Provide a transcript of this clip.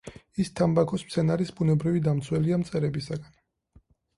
ის თამბაქოს მცენარის ბუნებრივი დამცველია მწერებისაგან.